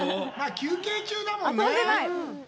休憩中だもんね。